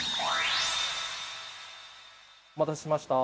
お待たせしました。